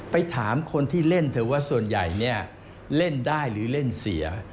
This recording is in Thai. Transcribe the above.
ไปถามคนที่เล่นเถอะว่าส่วนใหญ่เนี่ยเล่นได้หรือเล่นเสีย